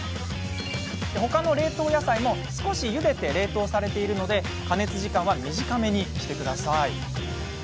他の冷凍野菜も少しゆでて冷凍されているので加熱時間は短めにしましょう。